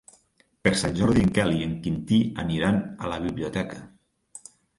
Per Sant Jordi en Quel i en Quintí aniran a la biblioteca.